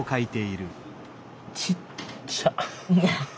ちっちゃ。